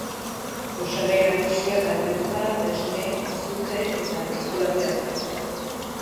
Osagai nagusiak almendra, esne, azukre eta txokolatea ditu.